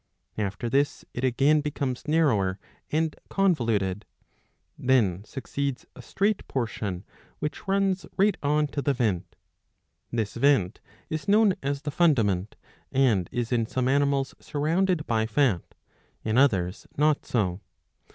After this it again becomes narrower and con voluted.^'^ Then succeeds a straight portion which r.uns right on to the vent; This vent is known as the fundament, and is in some animals surrounded by fat, in others not so.